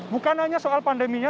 bukan hanya soal pandeminya